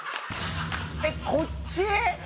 えっこっち？